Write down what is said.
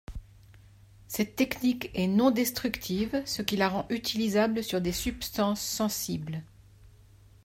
Cette technique est non destructive ce qui la rend utilisable sur des substances sensibles.